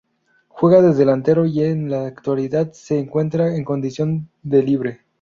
Juega de delantero y en la actualidad se encuentra en condición de libre.